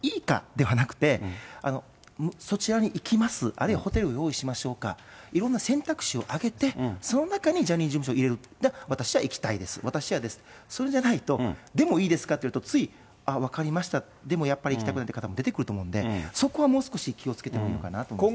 ではなくて、そちらに行きます、あるいはホテルを用意しましょうか、いろんな選択肢を挙げて、その中に、ジャニーズ事務所を入れる、それで私は行きたいです、私は嫌です、それじゃないと、いいですかだと、あっ、分かりました、でもやっぱり行きたくないって方も出てくると思いますので、そこはもう少し気をつけていったほうがいいかなと思いますね。